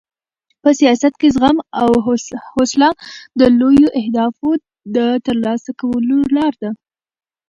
په سیاست کې زغم او حوصله د لویو اهدافو د ترلاسه کولو لار ده.